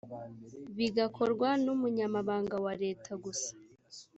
bigakorwa n umunyamabanga wa leta gusa